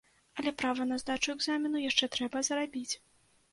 Але права на здачу экзамену яшчэ трэба зарабіць.